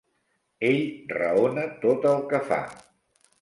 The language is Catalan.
Ell raona tot el que fa.